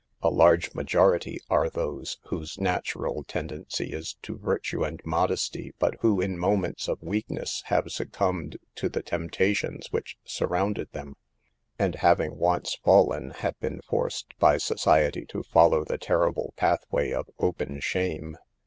A large ma jority are those whose natural tendency is to virtue and modesty, but who, in moments of weakness, have succumbed to the temptations which surrounded them, and, having once fallen, have been forced by society to follow the terrible pathway of open shame.